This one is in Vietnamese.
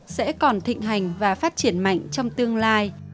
sẽ còn thịnh hành và phát triển mạnh trong tương lai